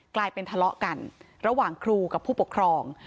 กลายเป็นทะเลาะกันระหว่างครูกับผู้ปกครอง